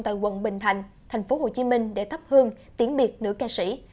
tại quận bình thành thành phố hồ chí minh để thắp hương tiến biệt nữ ca sĩ